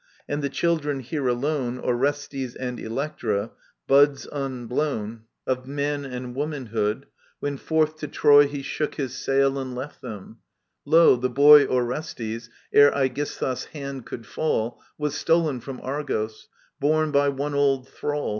And the children here alone^ Orestes and £le#ra, buds unblown Digitized by VjOOQIC 4 EURIPIDES Of man and womanhood, when forth to Trojr He shook his sail and left them — ^lo, the boy Orestes, ere Aegisthus' hand could (ally Was stolen from Argos — borne by one old thrall.